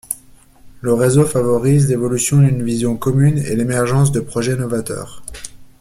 Le Réseau favorise l’évolution d’une vision commune et l’émergence de projets novateurs.